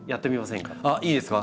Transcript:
いいですか？